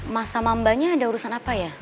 mas sama mbaknya ada urusan apa ya